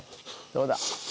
どうだ？